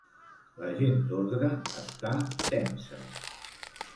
La gent d'ordre està tensa.